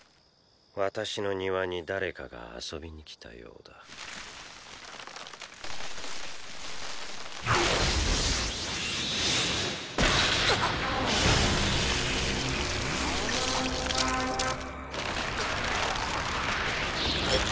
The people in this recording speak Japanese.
私の庭に誰かが遊びに来たようだあっ